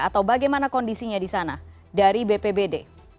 atau bagaimana kondisinya di sana dari bpbd